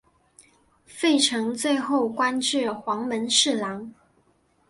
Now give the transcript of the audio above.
费承最后官至黄门侍郎。